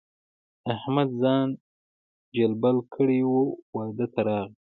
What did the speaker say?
احمد ځان جلبل کړی وو؛ واده ته راغی.